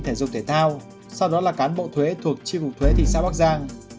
thể dục thể thao sau đó là cán bộ thuế thuộc chi cục thuế thị xã bắc giang